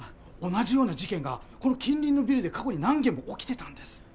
同じような事件がこの近隣のビルで過去に何件も起きてたんです。